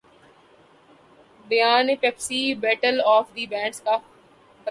بیان Pepsi battle of the bands کا فاتح